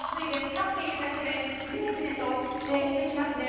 立っているだけでじめじめとしてきます。